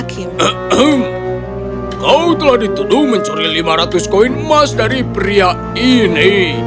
kau telah dituduh mencuri lima ratus koin emas dari pria ini